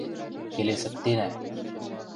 – Келесӹктенӓ!